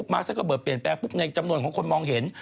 มาสเตอร์ก็เบิดเปลี่ยนแปลงในจำนวนของคนมองเห็น